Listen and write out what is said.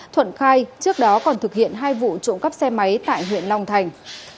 thuận khai trước đó còn thực hiện hai vụ trộm cắp xe máy tại huyện long thành